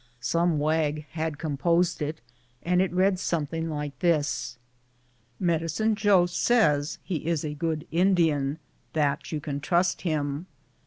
Some wag had composed it, and it read something like this : "Medicine Jo says he is a good Indian, that you can trust him.